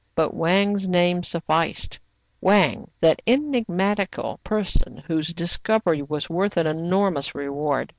But Wang's name sufficed, — Wang, that enigmatical person, whose discovery was worth an enormous reward.